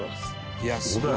「いやすごい！